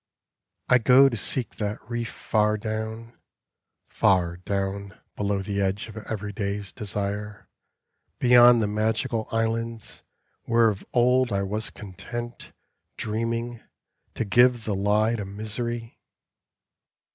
I go to seek that reef far down, far down Below the edge of every day's desire, Beyond the magical islands, where of old I was content, dreaming, to give the lie To misery.